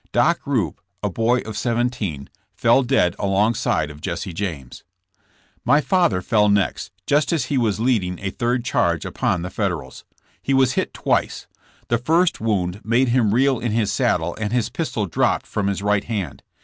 Dock Rupe, a boy of seventeen, fell dead alongside of Jesse James. My father fell next, just as he was leading a third charge upon the Federals. He was hit twice. The first wound made him reel in his saddle and his pistol dropped from his right hand.